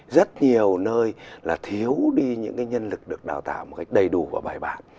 rất nhiều nơi là thiếu đi những nhân lực được đào tạo một cách đầy đủ và bài bản